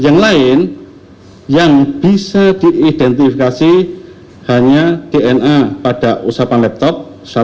yang lain yang bisa diidentifikasi hanya dna pada usapan laptop